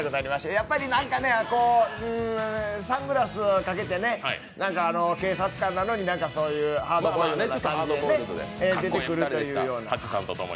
やっぱりサングラスをかけて警察官なのにハードボイルドな感じで出てくるというような。